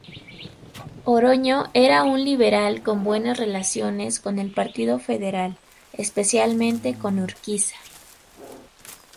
Oroño era un liberal con buenas relaciones con el partido federal, especialmente con Urquiza.